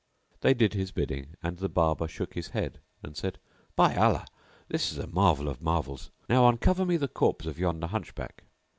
They did his bidding, and the Barber shook his head and said, "By Allah, this is a marvel of marvels! Now uncover me the corpse of yonder Hunchback.